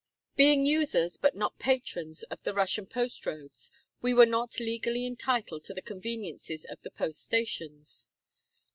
Being users but not patrons of the Russian post roads, we were not legally entitled to the conveniences of the post stations.